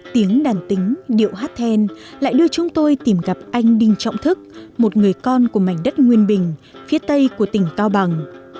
tiếng đàn tính điệu hát then lại đưa chúng tôi tìm gặp anh đinh trọng thức một người con của mảnh đất nguyên bình phía tây của tỉnh cao bằng